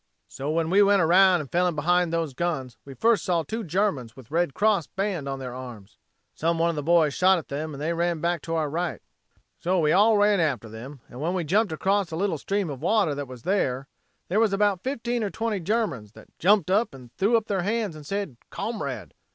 "So when we went around and fell in behind those guns we first saw two Germans with Red Cross band on their arms. "Some one of the boys shot at them and they ran back to our right. "So we all ran after them, and when we jumped across a little stream of water that was there, there was about 15 or 20 Germans jumped up and threw up their hands and said, 'Comrade.'